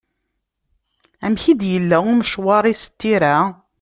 Amek i d-yella umecwar-is n tira?